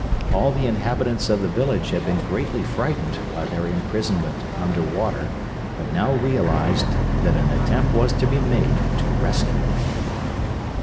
All the inhabitants of the village had been greatly frightened by their imprisonment under water, but now realized that an attempt was to be made to rescue them.